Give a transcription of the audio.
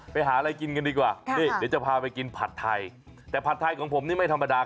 ไปหาอะไรกินกันดีกว่านี่เดี๋ยวจะพาไปกินผัดไทยแต่ผัดไทยของผมนี่ไม่ธรรมดา